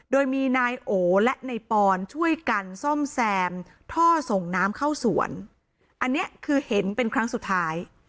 โดยมีนายโอและนายปอนช่วยกันซ่อมแซมท่อส่งน้ำเข้าสวนอันนี้คือเห็นเป็นครั้งสุดท้าย